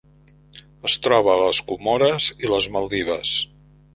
Es troba a les Comores i les Maldives.